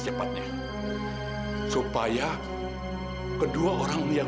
sampai jumpa di video selanjutnya